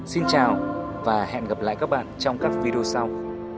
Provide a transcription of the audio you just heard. xin chào và hẹn gặp lại các bạn trong các video sau